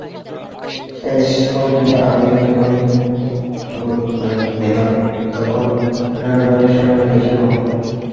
শেষ পর্যন্ত আমি যখন মনোনয়ন পেলাম তখন নানাভাবে ষড়যন্ত্র শুরু হলো।